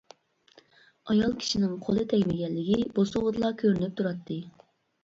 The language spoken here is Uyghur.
ئايال كىشىنىڭ قولى تەگمىگەنلىكى بوسۇغىدىلا كۆرۈنۈپ تۇراتتى.